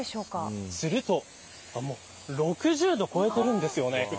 すると６０度を超えてるんですよね。